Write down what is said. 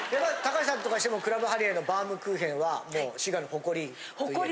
橋さんとかにしてもクラブハリエのバームクーヘンは滋賀の誇り？